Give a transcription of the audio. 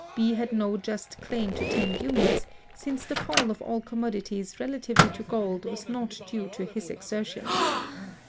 B had no just claim to ten units, since the fall of all commodities relatively to gold was not due to his exertions.